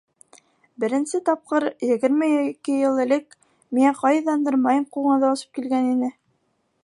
Беренсе тапҡыр, егерме ике йыл элек, миңә ҡайҙандыр май ҡуңыҙы осоп килгән ине.